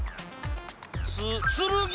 「つつるぎ」